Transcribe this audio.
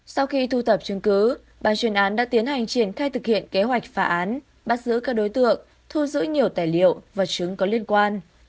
sau khi thu thập chứng cứ bàn chuyên án đã tiến hành triển khai thực hiện kế hoạch phá án bắt giữ các đối tượng thu giữ nhiều tài liệu và chứng có liên quan